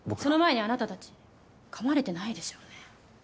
その前にあなたたち噛まれてないでしょうね？